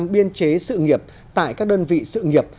hai mươi năm bốn trăm ba mươi năm biên chế sự nghiệp tại các đơn vị sự nghiệp